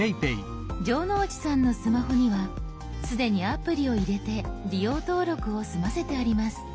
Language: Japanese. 城之内さんのスマホには既にアプリを入れて利用登録を済ませてあります。